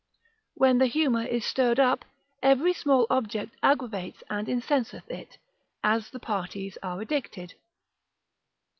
When the humour is stirred up, every small object aggravates and incenseth it, as the parties are addicted.